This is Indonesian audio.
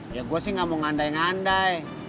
ya gue sih gak mau ngandai ngandai